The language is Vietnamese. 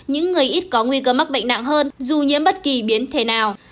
những người ít có nguy cơ mắc bệnh nặng hơn dù nhiễm bất kỳ biến thể nào